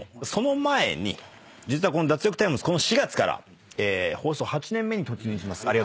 その前に実はこの『脱力タイムズ』４月から放送８年目に突入します。